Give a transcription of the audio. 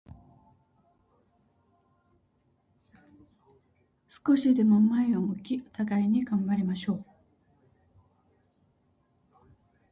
少しでも前を向き、互いに頑張りましょう。